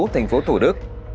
thành phố thủ đức